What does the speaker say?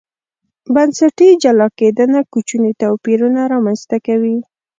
بنسټي جلا کېدنه کوچني توپیرونه رامنځته کوي.